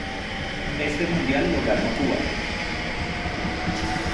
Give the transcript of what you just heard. Este mundial lo ganó Cuba.